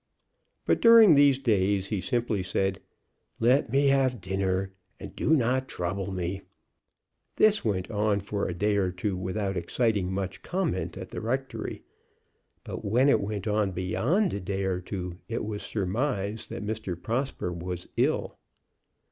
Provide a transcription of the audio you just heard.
But during these days he simply said, "Let me have dinner and do not trouble me." This went on for a day or two without exciting much comment at the rectory. But when it went on beyond a day or two it was surmised that Mr. Prosper was ill.